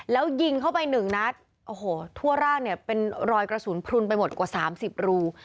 แล้วยิงเข้าไปหนึ่งนัดโอ้โหทั่วร่างเนี่ยเป็นรอยกระสุนพลุนไปหมดกว่า๓๐รู